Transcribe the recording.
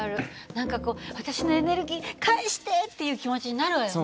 何かこう私のエネルギー返してっていう気持ちになるわよね？